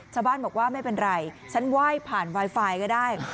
ชาวบ้านบอกว่าไม่เป็นไรฉันไหว้ผ่านไวไฟก็ได้